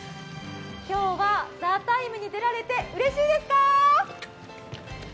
今日は「ＴＨＥＴＩＭＥ，」に出られてうれしいですか？